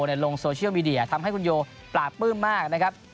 ลงโซเชียลมีเดียทำให้คุณโยปราบปลื้มมากนะครับ